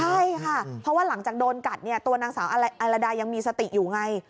ใช่ค่ะเพราะว่าหลังจากโดนกัดเนี่ยตัวนางสาวอารดายังมีสติอยู่ไง